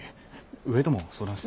上とも相談して。